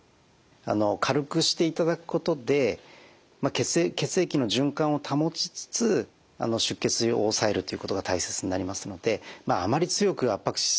軽くしていただくことで血液の循環を保ちつつ出血量をおさえるということが大切になりますのであまり強く圧迫し過ぎしまうとですね